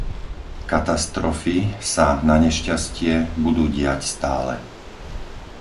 Katastrofy sa nanešťastie budú diať stále.